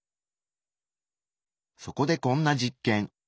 そこでこんな実験。